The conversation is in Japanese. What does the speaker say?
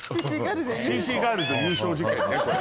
Ｃ．Ｃ．ガールズ優勝事件ねこれ。